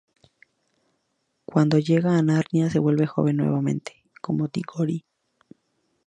Cuando llega a Narnia, se vuelve joven nuevamente, como Digory.